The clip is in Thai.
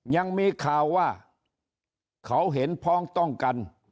ยังมีข่าวว่าเขาเห็นพ้องต้องกัน